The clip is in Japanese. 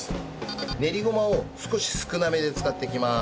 練りごまを少し少なめで使っていきます。